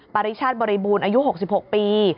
ปริชาติบริบูรณ์อายุ๖๖ปี